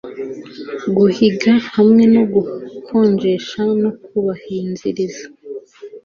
Guhiga hamwe no gukonjesha no kubanziriza